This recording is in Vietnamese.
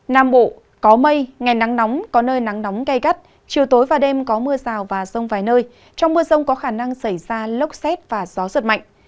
nam bộ có mây ngày nắng nóng có nơi nắng nóng gai gắt chiều tối và đêm có mưa rào và rông vài nơi trong mưa rông có khả năng xảy ra lốc xét và gió giật mạnh